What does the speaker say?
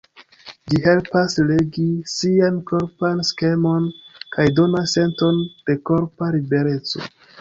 Ĝi helpas regi sian korpan skemon kaj donas senton de korpa libereco.